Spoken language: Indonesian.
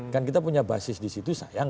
kan kita punya basis di situ sayang